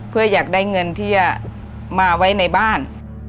เพื่ออยากได้เงินที่จะมาไว้ในบ้าน